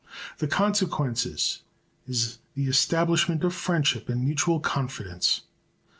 The consequences is the establishment of friendship and mutual confidence.